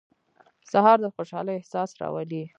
سهار د خوشحالۍ احساس راولي.